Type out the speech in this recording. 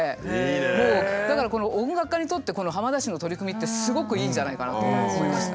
だから音楽家にとってこの浜田市の取り組みってすごくいいんじゃないかなと思いました。